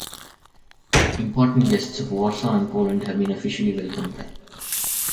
Important guests of Warsaw and Poland have been officially welcomed there.